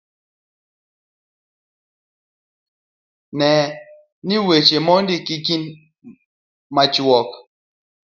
Ne ni weche mindiko gin machuok